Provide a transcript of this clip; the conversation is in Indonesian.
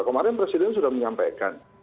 kemarin presiden sudah menyampaikan